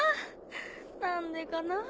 何でかなぁ